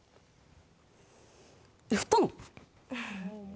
えっ、振ったの？